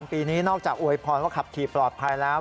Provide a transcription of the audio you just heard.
ปีนี้นอกจากอวยพรว่าขับขี่ปลอดภัยแล้ว